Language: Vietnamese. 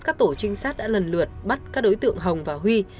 các tổ trinh sát đã lần lượt bắt các đối tượng hồng và huy